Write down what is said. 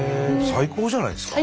最高じゃないですか。